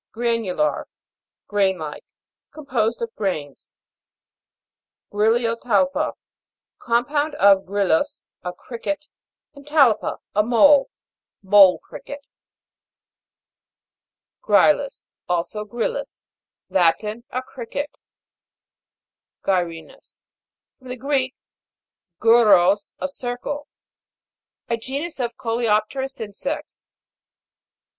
GRA'NULAR. Grain like ; composed of grains. GRILLO TAL'PA. Compounded ofgri* lus, a cricket, and talpa, a mole Mole cricket. 116 ENTOMOLOGY. GLOSSARY. GRY'LLUS, also Grillus. Latin. A cricket. GY'RINUS. From the Greek, guros, a circle. A genus of coleopterous insects.